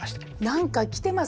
何か来てます